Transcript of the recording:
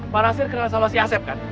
pak rasir kenal sama si asem kan